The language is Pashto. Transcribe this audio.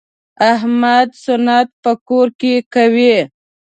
احمد سنت په کور کې کوي.